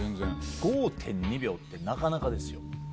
５．２秒ってなかなかですよ。